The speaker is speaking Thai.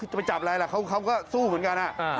จะไปจับอะไรล่ะเขาก็สู้เหมือนกัน